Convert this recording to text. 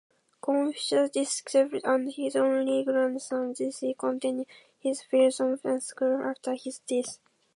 Confucius's disciples and his only grandson, Zisi, continued his philosophical school after his death.